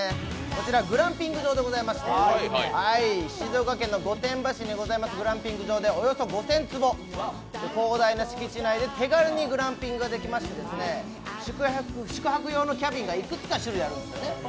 こちらグランピング場でございまして静岡県の御殿場市にあるグランピング場でして、およそ５０００坪、広大な敷地内で手軽にグランピングができまして宿泊用のキャビンがいくつか種類あるんですよね。